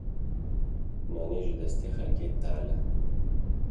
Nanê ji destê xelkê, tal e.